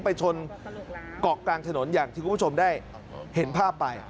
ไปชนเกาะกลางถนนอย่างที่คุณผู้ชมได้เห็นภาพไป